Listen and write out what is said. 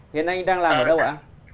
hiện anh đang làm ở đâu ạ